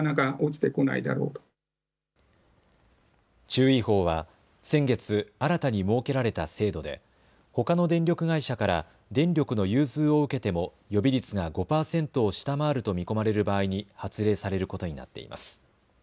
注意報は先月、新たに設けられた制度でほかの電力会社から電力の融通を受けても予備率が５％を下回ると見込まれる場合に発令されることになっています。